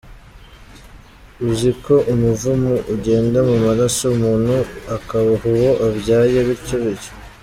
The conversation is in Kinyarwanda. Uzi ko umuvumo ugenda mu maraso, umuntu akawuha uwo abyaye, bityo bityo.